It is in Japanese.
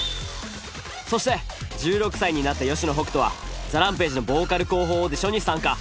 そして１６歳になった吉野北人はＴＨＥＲＡＭＰＡＧＥのボーカル候補オーディションに参加。